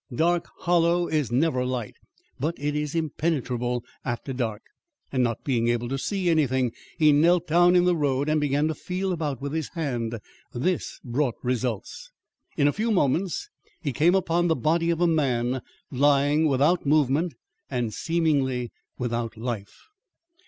Dark Hollow is never light, but it is impenetrable after dark, and not being able to see anything, he knelt down in the road and began to feel about with his hand. This brought results. In a few moments he came upon the body of a man lying without movement, and seemingly without life.